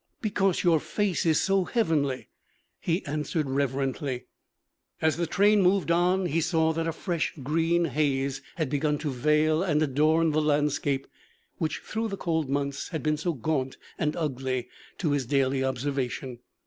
'Because your face is so heavenly,' he answered reverently. As the train moved on, he saw that a fresh, green haze had begun to veil and adorn the landscape which through the cold months had been so gaunt and ugly to his daily observation.